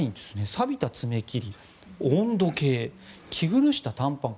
さびた爪切り、温度計着古した短パン